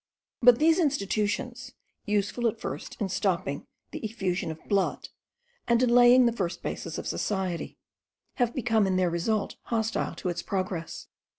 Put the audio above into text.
But these institutions, useful at first in stopping the effusion of blood, and in laying the first basis of society, have become in their result hostile to its progress.